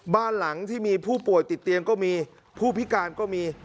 บ้านหลังที่มีผู้ป่วยติดเตียงก็มีผู้พิการก็มี